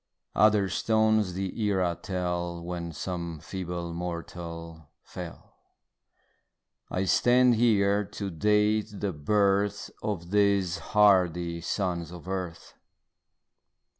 Other stones the era tell When some feeble mortal fell; I stand here to date the birth Of these hardy sons of earth.